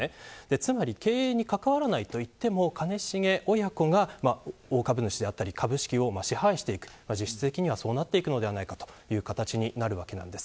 つまり、経営に関わらないと言っても兼重親子が大株主だったり株式を支配していく実質的にそうなるんじゃないかということです。